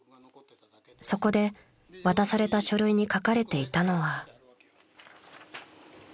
［そこで渡された書類に書かれていたのは］